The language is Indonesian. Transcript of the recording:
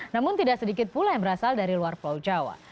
namun tidak sedikit pula yang berasal dari luar pulau jawa